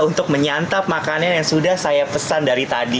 untuk menyantap makanan yang sudah saya pesan dari tadi